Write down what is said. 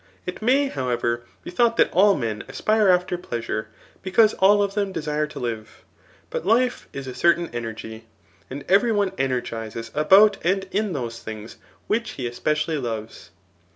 It may, however, be thought that all men aspire after pleasure, because all of them desire to live ; but life is a certain energy ; and every one energizes about and in those things which he espe cially loves.